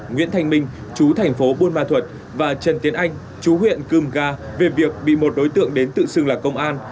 nguyễn thành minh chú thành phố bùa ma thuột và trần tiến anh chú huyện cưm ga về việc bị một đối tượng đến tự xưng là công an